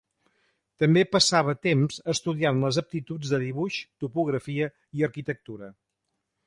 També passava temps estudiant les aptituds de dibuix, topografia i arquitectura.